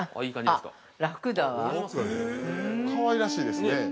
◆かわいらしいですね。